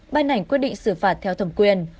ban hành quyết định xử phạt theo thẩm quyền